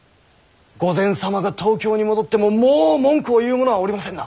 御前様が東京に戻ってももう文句を言う者はおりませんな？